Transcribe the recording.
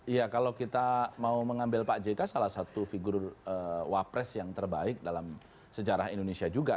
iya kalau kita mau mengambil pak jk salah satu figur wapres yang terbaik dalam sejarah indonesia juga